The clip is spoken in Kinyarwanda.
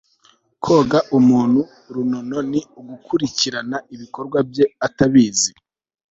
koga umuntu runono ni ugukurikirana ibikorwa bye atabizi